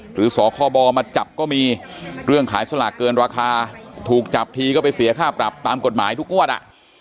สคบมาจับก็มีเรื่องขายสลากเกินราคาถูกจับทีก็ไปเสียค่าปรับตามกฎหมายทุกงวดอ่ะ